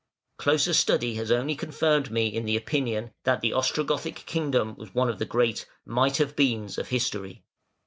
Closer study has only confirmed me in the opinion that the Ostrogothic kingdom was one of the great "Might have beens" of History.